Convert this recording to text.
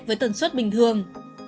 với tần suất bình thường